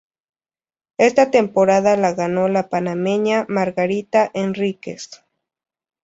Esta temporada la ganó la panameña Margarita Henríquez.